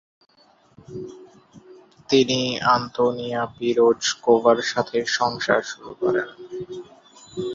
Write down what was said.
তিনি আন্তোনিয়া পিরোজ্কোভার সাথে সংসার শুরু করেন।